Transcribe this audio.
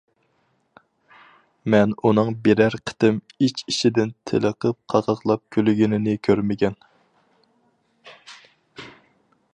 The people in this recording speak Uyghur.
مەن ئۇنىڭ بىرەر قېتىم ئىچ-ئىچىدىن تېلىقىپ قاقاقلاپ كۈلگىنىنى كۆرمىگەن.